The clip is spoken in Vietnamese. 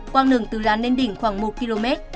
quang nường từ lán lên đỉnh khoảng một km